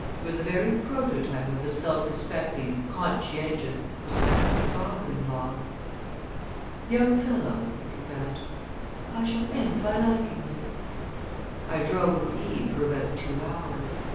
He was the very prototype of the self respecting, conscientious, prospective father in law. "Young fellow," he confessed, "I shall end by liking you!" I drove with Eve for about two hours.